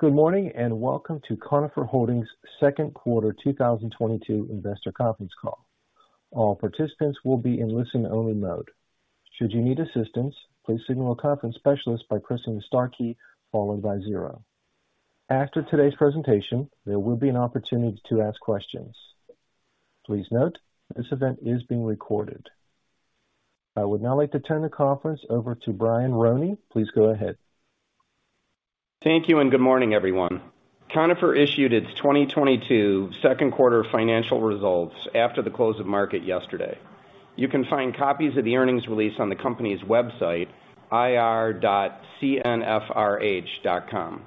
Good morning, and welcome to Conifer Holdings' Second Quarter 2022 Investor Conference Call. All participants will be in listen-only mode. Should you need assistance, please signal a conference specialist by pressing the star key followed by zero. After today's presentation, there will be an opportunity to ask questions. Please note, this event is being recorded. I would now like to turn the conference over to Brian Roney. Please go ahead. Thank you, and good morning, everyone. Conifer issued its 2022 second quarter financial results after the close of market yesterday. You can find copies of the earnings release on the company's website, ir.cnfrh.com.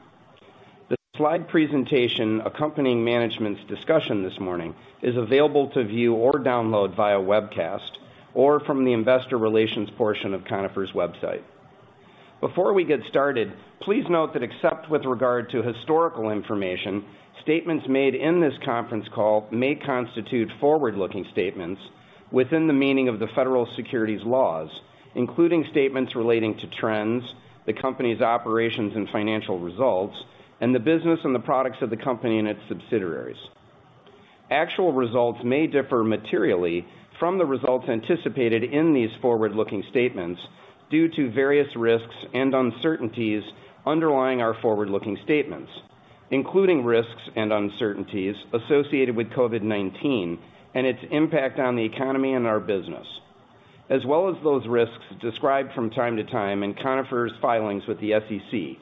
The slide presentation accompanying management's discussion this morning is available to view or download via webcast or from the investor relations portion of Conifer's website. Before we get started, please note that except with regard to historical information, statements made in this conference call may constitute forward-looking statements within the meaning of the federal securities laws, including statements relating to trends, the company's operations and financial results, and the business and the products of the company and its subsidiaries. Actual results may differ materially from the results anticipated in these forward-looking statements due to various risks and uncertainties underlying our forward-looking statements, including risks and uncertainties associated with COVID-19 and its impact on the economy and our business, as well as those risks described from time to time in Conifer's filings with the SEC,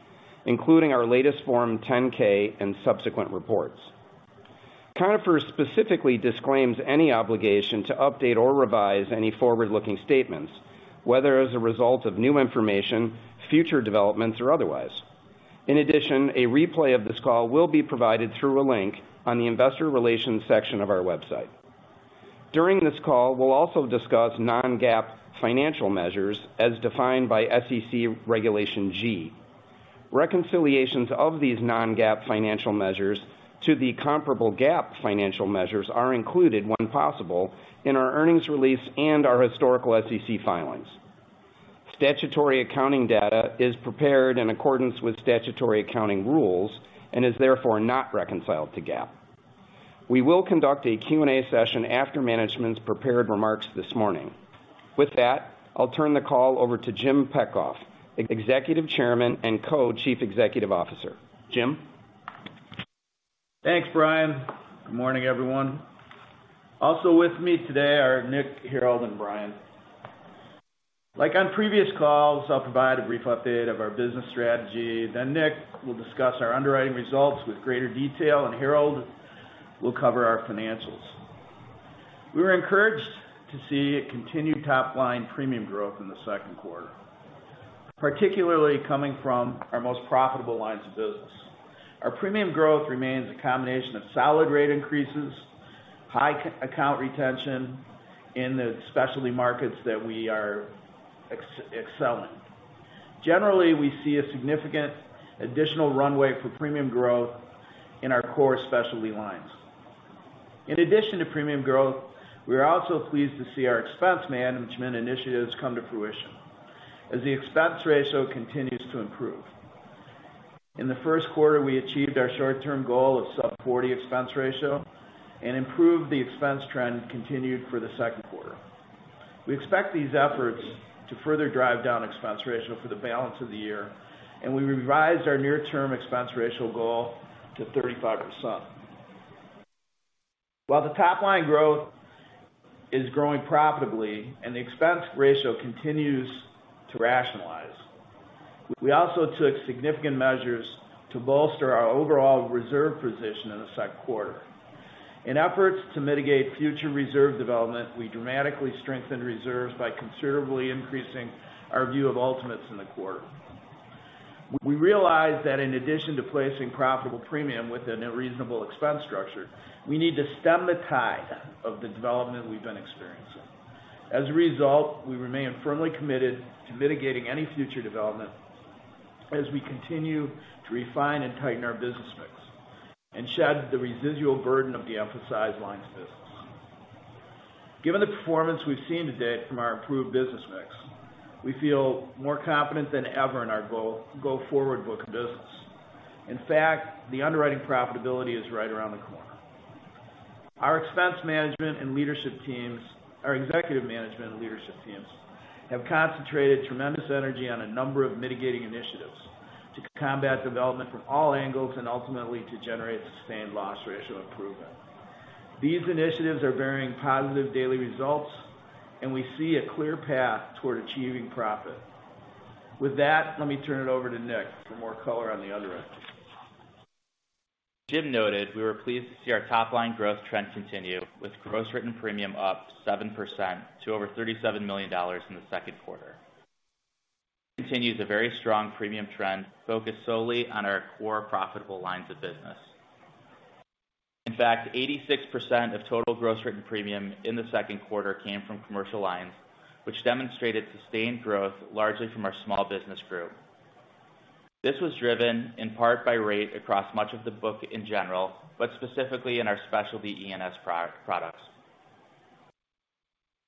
including our latest Form 10-K and subsequent reports. Conifer specifically disclaims any obligation to update or revise any forward-looking statements, whether as a result of new information, future developments, or otherwise. In addition, a replay of this call will be provided through a link on the investor relations section of our website. During this call, we'll also discuss non-GAAP financial measures as defined by SEC Regulation G. Reconciliations of these non-GAAP financial measures to the comparable GAAP financial measures are included when possible in our earnings release and our historical SEC filings. Statutory accounting data is prepared in accordance with statutory accounting rules and is therefore not reconciled to GAAP. We will conduct a Q&A session after management's prepared remarks this morning. With that, I'll turn the call over to Jim Petcoff, Executive Chairman and Co-Chief Executive Officer. Jim? Thanks, Brian. Good morning, everyone. Also with me today are Nick, Harold, and Brian. Like on previous calls, I'll provide a brief update of our business strategy. Then Nick will discuss our underwriting results with greater detail, and Harold will cover our financials. We were encouraged to see a continued top-line premium growth in the second quarter, particularly coming from our most profitable lines of business. Our premium growth remains a combination of solid rate increases, high account retention in the specialty markets that we are excelling. Generally, we see a significant additional runway for premium growth in our core specialty lines. In addition to premium growth, we are also pleased to see our expense management initiatives come to fruition as the expense ratio continues to improve. In the first quarter, we achieved our short-term goal of sub 40 expense ratio and improved the expense trend continued for the second quarter. We expect these efforts to further drive down expense ratio for the balance of the year, and we revised our near-term expense ratio goal to 35%. While the top-line growth is growing profitably and the expense ratio continues to rationalize, we also took significant measures to bolster our overall reserve position in the second quarter. In efforts to mitigate future reserve development, we dramatically strengthened reserves by considerably increasing our view of ultimates in the quarter. We realized that in addition to placing profitable premium with a reasonable expense structure, we need to stem the tide of the development we've been experiencing. As a result, we remain firmly committed to mitigating any future development as we continue to refine and tighten our business mix and shed the residual burden of the emphasized lines of business. Given the performance we've seen to date from our improved business mix, we feel more confident than ever in our go forward book of business. In fact, the underwriting profitability is right around the corner. Our expense management and leadership teams, our executive management and leadership teams have concentrated tremendous energy on a number of mitigating initiatives to combat development from all angles and ultimately to generate sustained loss ratio improvement. These initiatives are bearing positive daily results, and we see a clear path toward achieving profit. With that, let me turn it over to Nick for more color on the underwriting. Jim noted we were pleased to see our top-line growth trend continue with gross written premium up 7% to over $37 million in the second quarter. It continues a very strong premium trend focused solely on our core profitable lines of business. In fact, 86% of total gross written premium in the second quarter came from commercial lines, which demonstrated sustained growth largely from our small business group. This was driven in part by rate across much of the book in general, but specifically in our specialty E&S programs.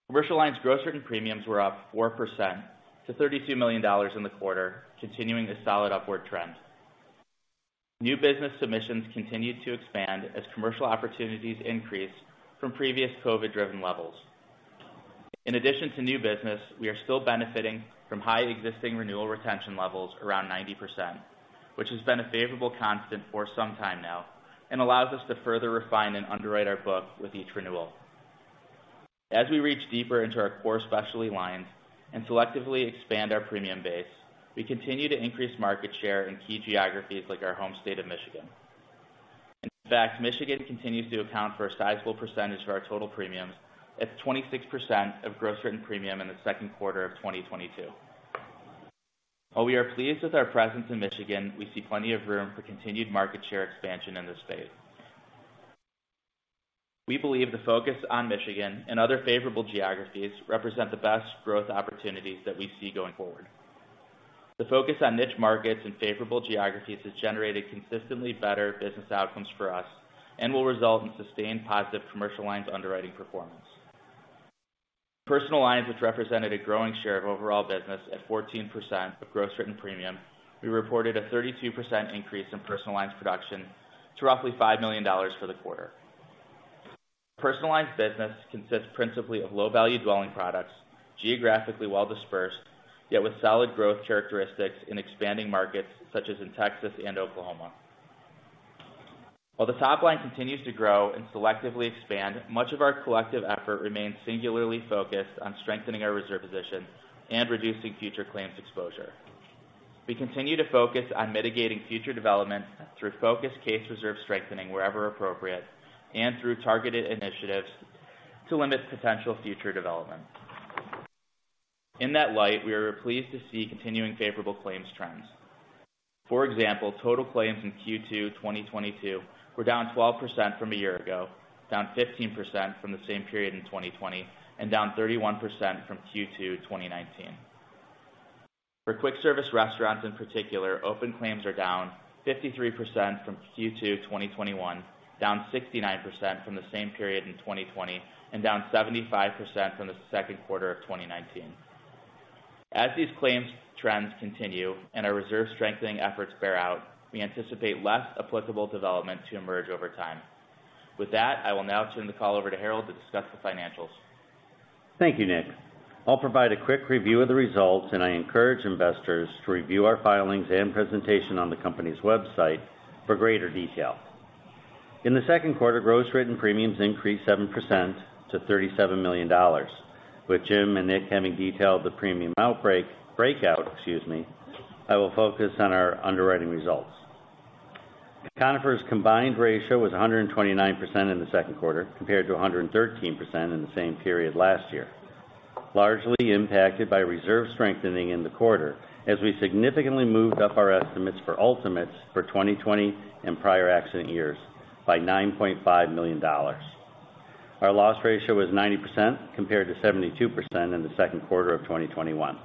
Commercial lines gross written premiums were up 4% to $32 million in the quarter, continuing a solid upward trend. New business submissions continued to expand as commercial opportunities increased from previous COVID-driven levels. In addition to new business, we are still benefiting from high existing renewal retention levels around 90%, which has been a favorable constant for some time now and allows us to further refine and underwrite our book with each renewal. As we reach deeper into our core specialty lines and selectively expand our premium base, we continue to increase market share in key geographies like our home state of Michigan. In fact, Michigan continues to account for a sizable percentage of our total premiums, at 26% of gross written premium in the second quarter of 2022. While we are pleased with our presence in Michigan, we see plenty of room for continued market share expansion in the space. We believe the focus on Michigan and other favorable geographies represent the best growth opportunities that we see going forward. The focus on niche markets and favorable geographies has generated consistently better business outcomes for us and will result in sustained positive commercial lines underwriting performance. Personal lines, which represented a growing share of overall business at 14% of gross written premium, we reported a 32% increase in personal lines production to roughly $5 million for the quarter. Personal lines business consists principally of low-value dwelling products, geographically well-dispersed, yet with solid growth characteristics in expanding markets such as in Texas and Oklahoma. While the top line continues to grow and selectively expand, much of our collective effort remains singularly focused on strengthening our reserve positions and reducing future claims exposure. We continue to focus on mitigating future developments through focused case reserve strengthening wherever appropriate and through targeted initiatives to limit potential future developments. In that light, we are pleased to see continuing favorable claims trends. For example, total claims in Q2 2022 were down 12% from a year ago, down 15% from the same period in 2020, and down 31% from Q2 2019. For quick service restaurants in particular, open claims are down 53% from Q2 2021, down 69% from the same period in 2020, and down 75% from the second quarter of 2019. As these claims trends continue and our reserve strengthening efforts bear out, we anticipate less applicable development to emerge over time. With that, I will now turn the call over to Harold to discuss the financials. Thank you, Nick. I'll provide a quick review of the results, and I encourage investors to review our filings and presentation on the company's website for greater detail. In the second quarter, gross written premiums increased 7% to $37 million. With Jim and Nick having detailed the premium breakout, excuse me, I will focus on our underwriting results. Conifer's combined ratio was 129% in the second quarter, compared to 113% in the same period last year, largely impacted by reserve strengthening in the quarter as we significantly moved up our estimates for ultimates for 2020 and prior accident years by $9.5 million. Our loss ratio was 90%, compared to 72% in the second quarter of 2021.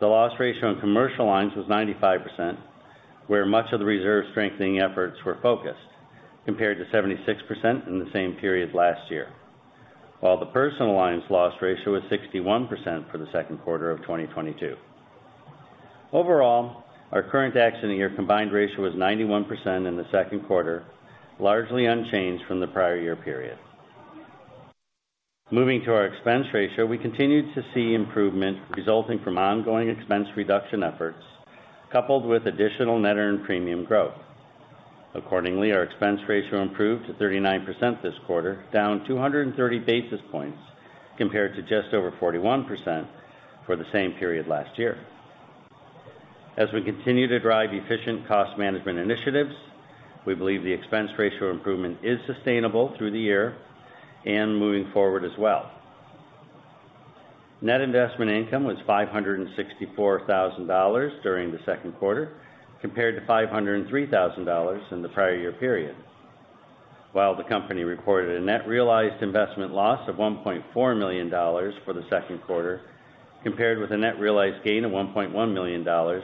The loss ratio in commercial lines was 95%, where much of the reserve strengthening efforts were focused, compared to 76% in the same period last year. While the personal lines loss ratio was 61% for the second quarter of 2022. Overall, our current accident year combined ratio was 91% in the second quarter, largely unchanged from the prior year period. Moving to our expense ratio, we continued to see improvement resulting from ongoing expense reduction efforts, coupled with additional net earned premium growth. Accordingly, our expense ratio improved to 39% this quarter, down 230 basis points compared to just over 41% for the same period last year. As we continue to drive efficient cost management initiatives, we believe the expense ratio improvement is sustainable through the year and moving forward as well. Net investment income was $564,000 during the second quarter compared to $503,000 in the prior year period, while the company reported a net realized investment loss of $1.4 million for the second quarter compared with a net realized gain of $1.1 million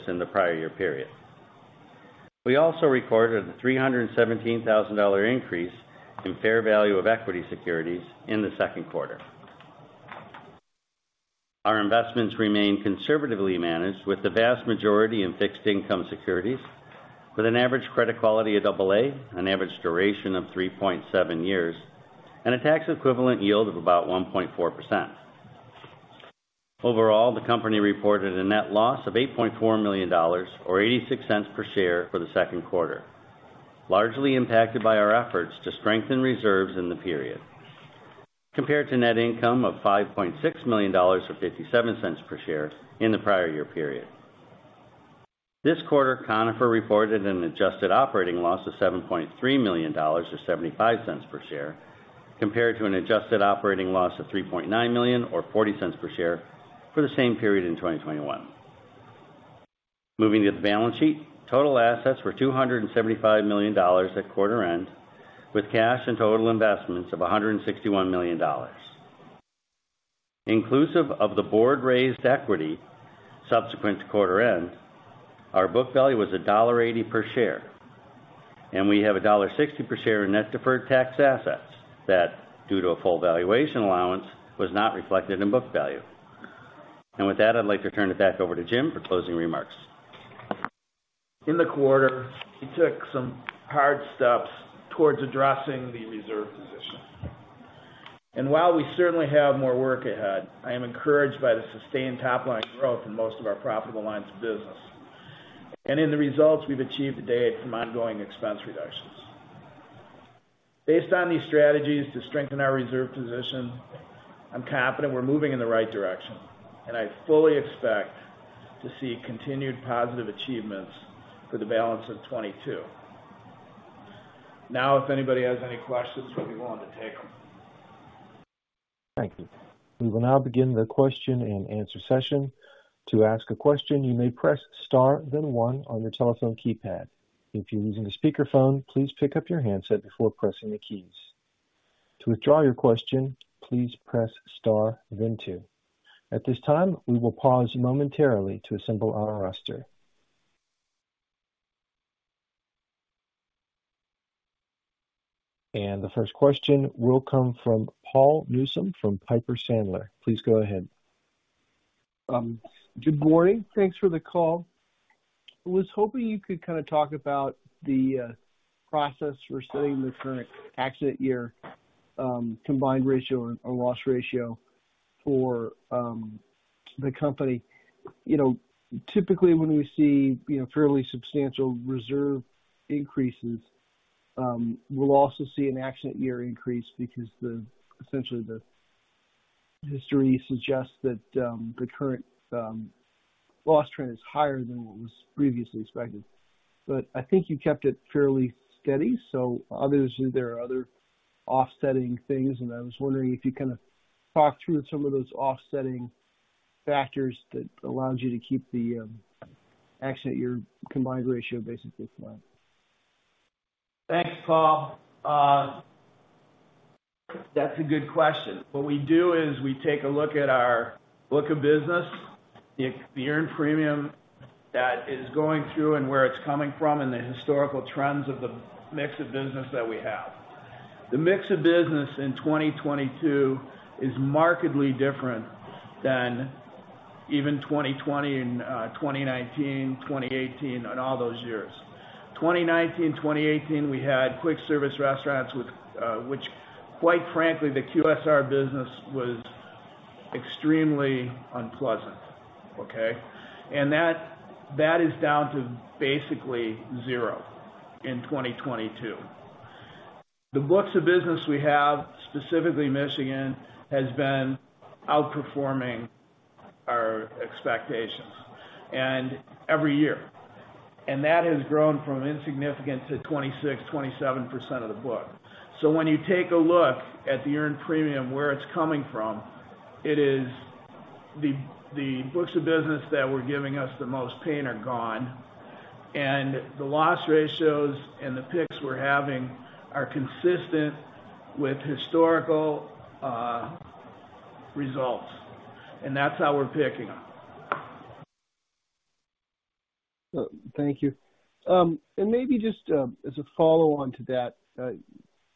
in the prior year period. We also recorded a $317,000 increase in fair value of equity securities in the second quarter. Our investments remain conservatively managed with the vast majority in fixed income securities with an average credit quality of AA, an average duration of 3.7 years, and a tax equivalent yield of about 1.4%. Overall, the company reported a net loss of $8.4 million or $0.86 per share for the second quarter, largely impacted by our efforts to strengthen reserves in the period compared to net income of $5.6 million or $0.57 per share in the prior year period. This quarter, Conifer reported an adjusted operating loss of $7.3 million or $0.75 per share compared to an adjusted operating loss of $3.9 million or $0.40 per share for the same period in 2021. Moving to the balance sheet, total assets were $275 million at quarter end, with cash and total investments of $161 million. Inclusive of the board-raised equity subsequent to quarter end, our book value was $1.80 per share. We have $1.60 per share in net deferred tax assets that, due to a full valuation allowance, was not reflected in book value. With that, I'd like to turn it back over to Jim for closing remarks. In the quarter, we took some hard steps towards addressing the reserve position. While we certainly have more work ahead, I am encouraged by the sustained top-line growth in most of our profitable lines of business and in the results we've achieved to date from ongoing expense reductions. Based on these strategies to strengthen our reserve position, I'm confident we're moving in the right direction, and I fully expect to see continued positive achievements for the balance of 2022. Now, if anybody has any questions, we'll be willing to take them. Thank you. We will now begin the question-and-answer session. To ask a question, you may press star then one on your telephone keypad. If you're using a speakerphone, please pick up your handset before pressing the keys. To withdraw your question, please press star then two. At this time, we will pause momentarily to assemble our roster. The first question will come from Paul Newsome from Piper Sandler. Please go ahead. Good morning. Thanks for the call. I was hoping you could kind of talk about the process for setting the current accident year combined ratio or loss ratio for the company. You know, typically when we see, you know, fairly substantial reserve increases, we'll also see an accident year increase because essentially the history suggests that the current loss trend is higher than what was previously expected. I think you kept it fairly steady, so obviously there are other offsetting things, and I was wondering if you kind of talk through some of those offsetting factors that allows you to keep the accident year combined ratio basically flat. Thanks, Paul. That's a good question. What we do is we take a look at our book of business, the earned premium that is going through and where it's coming from and the historical trends of the mix of business that we have. The mix of business in 2022 is markedly different than even 2020 and 2019, 2018, and all those years. 2019, 2018, we had quick service restaurants, which quite frankly, the QSR business was extremely unpleasant, okay. That is down to basically zero in 2022. The books of business we have, specifically Michigan, has been outperforming our expectations, and every year. That has grown from insignificant to 26%-27% of the book. When you take a look at the earned premium, where it's coming from, it is the books of business that were giving us the most pain are gone, and the loss ratios and the picks we're having are consistent with historical results, and that's how we're picking. Thank you. Maybe just as a follow-on to that,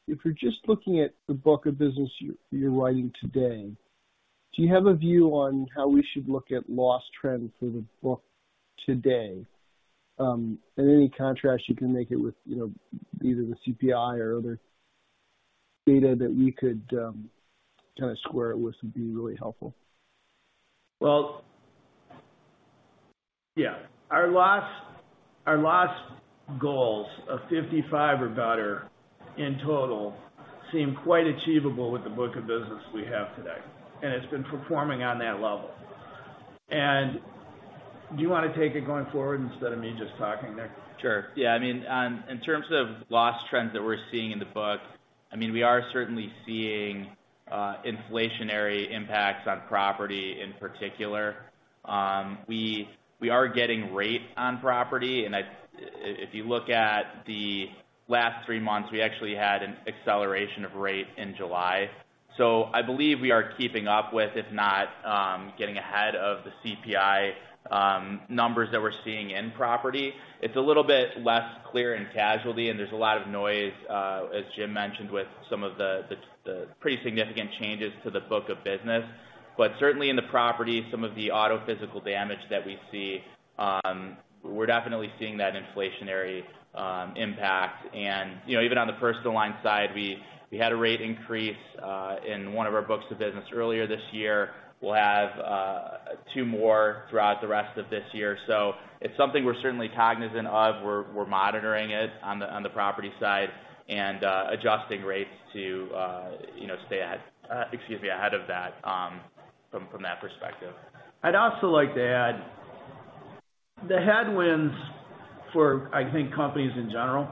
if you're just looking at the book of business you're writing today, do you have a view on how we should look at loss trends for the book today? Any contrast you can make with, you know, either the CPI or other data that we could kind of square it with would be really helpful. Well, yeah. Our loss goals of 55% or better in total seem quite achievable with the book of business we have today, and it's been performing on that level. Do you wanna take it going forward instead of me just talking, Nick? Sure. Yeah, I mean, in terms of loss trends that we're seeing in the book, I mean, we are certainly seeing, inflationary impacts on property in particular. We are getting rate on property, and if you look at the last three months, we actually had an acceleration of rate in July. I believe we are keeping up with, if not, getting ahead of the CPI, numbers that we're seeing in property. It's a little bit less clear in casualty, and there's a lot of noise, as Jim mentioned, with some of the pretty significant changes to the book of business. Certainly in the property, some of the auto physical damage that we see, we're definitely seeing that inflationary impact. You know, even on the personal line side, we had a rate increase in one of our books of business earlier this year. We'll have two more throughout the rest of this year. It's something we're certainly cognizant of. We're monitoring it on the property side and adjusting rates to you know stay ahead of that from that perspective. I'd also like to add the headwinds for, I think, companies in general,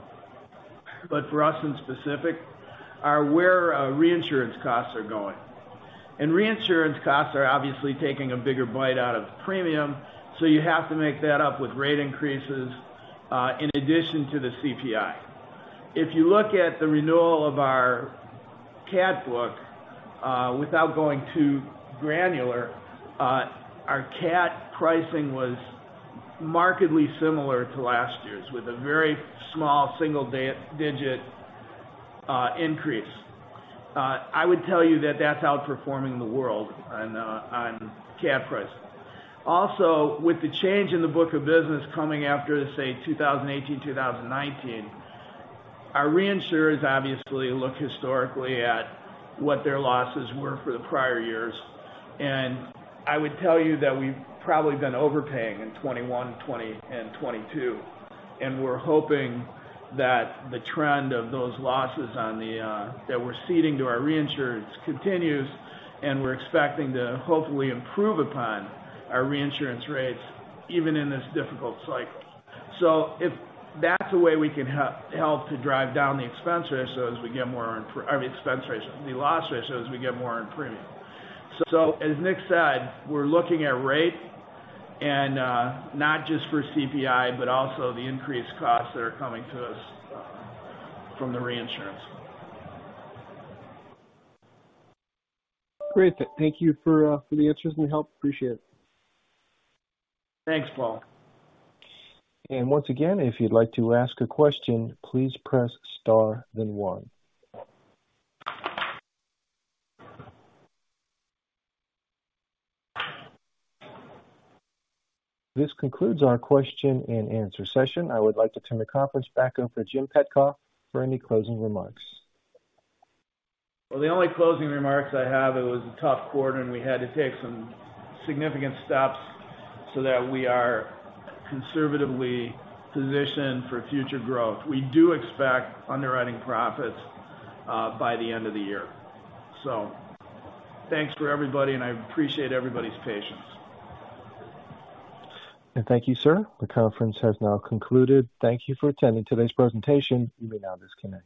but for us specifically, are where reinsurance costs are going. Reinsurance costs are obviously taking a bigger bite out of the premium, so you have to make that up with rate increases in addition to the CPI. If you look at the renewal of our CAT book, without going too granular, our CAT pricing was markedly similar to last year's, with a very small single digit increase. I would tell you that that's outperforming the world on CAT price. Also, with the change in the book of business coming after, say, 2018, 2019, our reinsurers obviously look historically at what their losses were for the prior years. I would tell you that we've probably been overpaying in 2021, 2020, and 2022. We're hoping that the trend of those losses that we're ceding to our reinsurance continues, and we're expecting to hopefully improve upon our reinsurance rates even in this difficult cycle. If that's a way we can help to drive down the loss ratios as we get more earned premium. As Nick said, we're looking at rate and not just for CPI, but also the increased costs that are coming to us from the reinsurance. Great. Thank you for the answers and help. Appreciate it. Thanks, Paul. Once again, if you'd like to ask a question, please press star then one. This concludes our question and answer session. I would like to turn the conference back over to Jim Petcoff for any closing remarks. Well, the only closing remarks I have, it was a tough quarter and we had to take some significant steps so that we are conservatively positioned for future growth. We do expect underwriting profits by the end of the year. Thanks for everybody, and I appreciate everybody's patience. Thank you, sir. The conference has now concluded. Thank you for attending today's presentation. You may now disconnect.